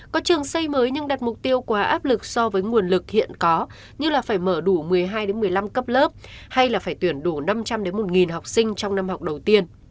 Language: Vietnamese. có trường xây mới nhưng đặt mục tiêu quá áp lực so với nguồn lực hiện có như là phải mở đủ một mươi hai một mươi năm cấp lớp hay là phải tuyển đủ năm trăm linh một học sinh trong năm học đầu tiên